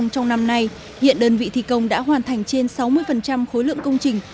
trong năm nay hiện đơn vị thi công đã hoàn thành trên sáu mươi khối lượng công trình